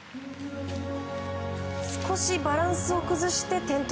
少しバランスを崩して転倒。